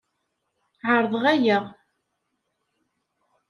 Ɛerḍeɣ aya.